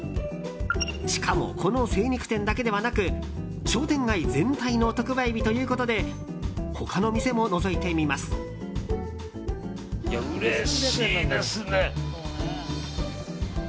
しかも、この精肉店だけではなく商店街全体の特売日ということでうれしいですね。